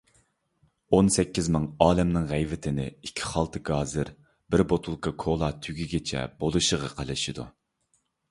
ئون سەككىز مىڭ ئالەمنىڭ غەيۋىتىنى ئىككى خالتا گازىر، بىر بوتۇلكا كولا تۈگىگىچە بولىشىغا قىلىشىدۇ.